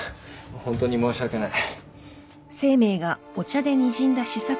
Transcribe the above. ホントに申し訳ない。